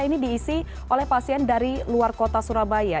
ini diisi oleh pasien dari luar kota surabaya